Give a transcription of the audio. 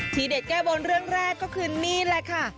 เด็ดแก้บนเรื่องแรกก็คือนี่แหละค่ะ